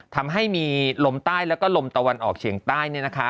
ทำให้มีลมใต้แล้วก็ลมตะวันออกเฉียงใต้